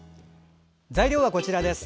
材料は、こちらです。